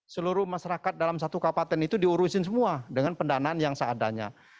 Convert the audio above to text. seluruh masyarakat dalam satu kabupaten itu diurusin semua dengan pendanaan yang seadanya